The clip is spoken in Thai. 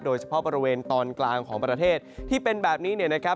โดยเฉพาะบริเวณตอนกลางของประเทศที่เป็นแบบนี้เนี่ยนะครับ